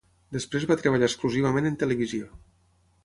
Després va treballar exclusivament en televisió.